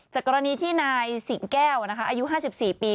จากกรณีที่นายเสียสิงแก้วอายุ๕๔ปี